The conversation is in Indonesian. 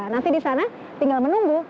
nanti di sana tinggal menunggu